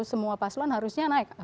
semua paslon harusnya naik